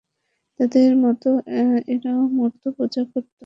তাদের মত এরাও মূর্তি পূজা করত।